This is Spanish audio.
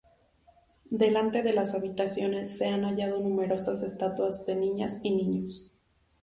Delante de las habitaciones se han hallado numerosas estatuas de niñas y niños.